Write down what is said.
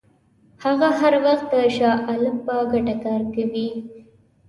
هغه هر وخت د شاه عالم په ګټه کار کوي.